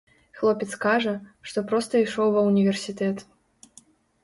Хлопец кажа, што проста ішоў ва ўніверсітэт.